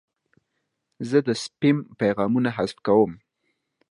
زه د سپیم پیغامونه حذف کوم.